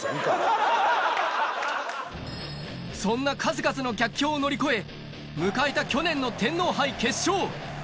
そんな数々の逆境を乗り越え、迎えた去年の天皇杯決勝。